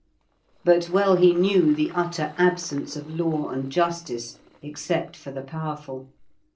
But well he knew the utter absence of law and justice except for the powerful.